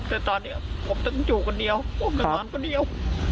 แต่ตอนนี้ผมต้องอยู่คนเดียวผมจะนอนคนเดียว